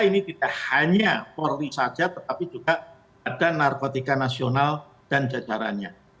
ini tidak hanya polri saja tetapi juga ada narkotika nasional dan jajarannya